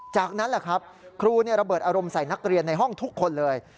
จากนั้นแหละครับครูระเบิดอารมณ์ใส่นักเรียนในห้องทุกคนเลย